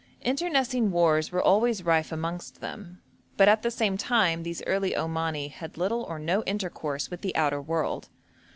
Internecine wars were always rife amongst them; but, at the same time, these early Omani had little or no intercourse with the outer world.